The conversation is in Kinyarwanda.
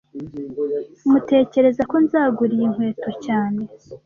Tmutekereza ko nzagura iyi nkweto cyane